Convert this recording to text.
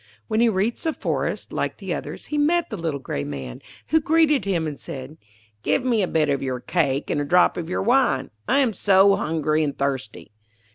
When he reached the forest, like the others, he met the little grey Man, who greeted him, and said, 'Give me a bit of your cake and a drop of your wine. I am so hungry and thirsty.'